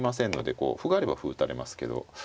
こう歩があれば歩打たれますけど。